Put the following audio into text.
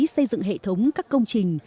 xây dựng hệ thống các công trình